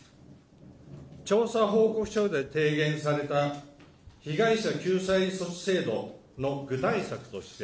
調査報告書で提言された被害者救済措置制度の具体策として、